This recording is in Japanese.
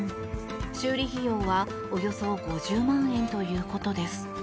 修理費用はおよそ５０万円ということです。